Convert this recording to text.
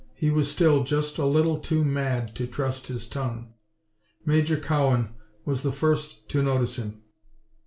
He was still just a little too mad to trust his tongue. Major Cowan was the first to notice him.